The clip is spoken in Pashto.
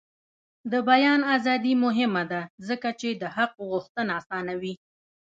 د بیان ازادي مهمه ده ځکه چې د حق غوښتنه اسانوي.